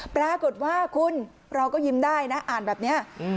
ปรากฏว่าคุณเราก็ยิ้มได้นะอ่านแบบนี้